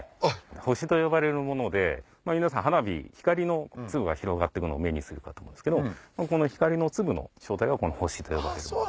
星と呼ばれるもので皆さん花火光の粒が広がってくのを目にするかと思うんですけどこの光の粒の正体がこの星と呼ばれる。